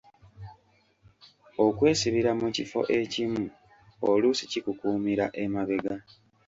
Okwesibira mu kifo ekimu oluusi kikukuumira emabega.